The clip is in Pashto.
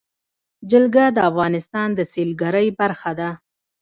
جلګه د افغانستان د سیلګرۍ برخه ده.